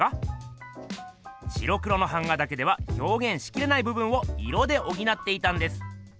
白黒の版画だけではひょうげんしきれない部分を色でおぎなっていたんです。